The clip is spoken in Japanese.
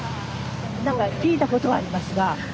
何か聞いたことはありますが全然。